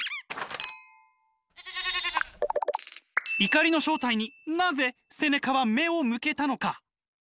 怒りの正体になぜセネカは目を向けたのか？